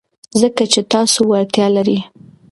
ځکه چې تاسو وړتیا لرئ.